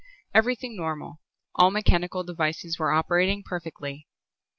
Everything normal; all mechanical devices were operating perfectly.